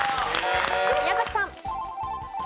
宮崎さん。